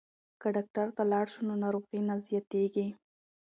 که ډاکټر ته لاړ شو نو ناروغي نه زیاتیږي.